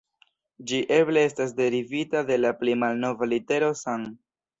Ĝi eble estas derivita de la pli malnova litero san.